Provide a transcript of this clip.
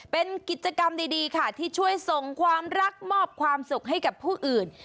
เป็นกิจกรรมดีค่ะที่ช่วยส่งความรักมอบความสุขให้กับผู้อื่น